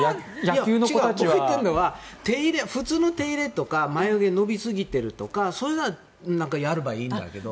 普通の手入れとか眉毛伸びすぎているとかそれはやればいいんだけど。